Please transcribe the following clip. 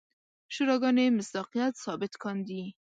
شوراګانې مصداقیت ثابت کاندي.